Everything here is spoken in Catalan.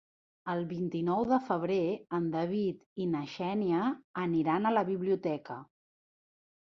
El vint-i-nou de febrer en David i na Xènia aniran a la biblioteca.